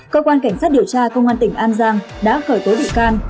cơ quan cảnh sát điều tra công an tỉnh an giang đã khởi tố bị can